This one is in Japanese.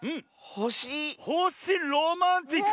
ほしロマンチック！